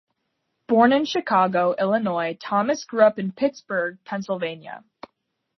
Born in Chicago, Illinois, Thomas grew up in Pittsburgh, Pennsylvania.